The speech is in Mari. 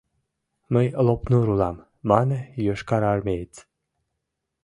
— Мый Лопнур улам, — мане йошкарармеец.